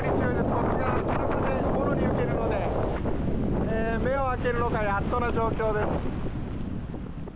ここは風をもろに受けるので目を開けるのがやっとな状況です。